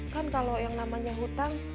kan kalau yang namanya hutang